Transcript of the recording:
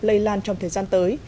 lây lan trong thời gian tới